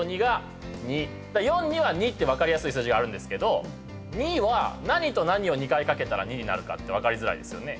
て分かりやすい数字があるんですけど２は何と何を２回掛けたら２になるかって分かりづらいですよね。